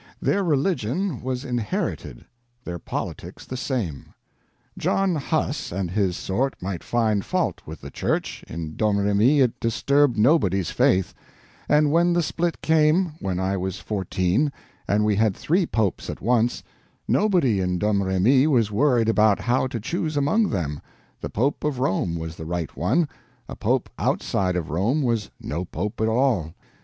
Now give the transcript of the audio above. Their religion was inherited, their politics the same. John Huss and his sort might find fault with the Church, in Domremy it disturbed nobody's faith; and when the split came, when I was fourteen, and we had three Popes at once, nobody in Domremy was worried about how to choose among them—the Pope of Rome was the right one, a Pope outside of Rome was no Pope at all.